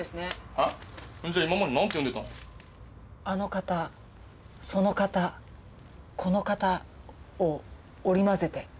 あの方その方この方を織り交ぜて。